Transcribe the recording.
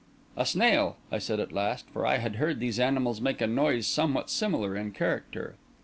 "A snail," I said at last; for I had heard that these animals make a noise somewhat similar in character.